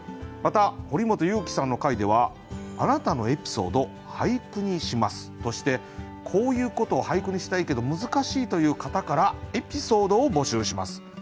また堀本裕樹さんの回では「あなたのエピソード、俳句にします」として「こういうことを俳句にしたいけど難しい」という方からエピソードを募集します。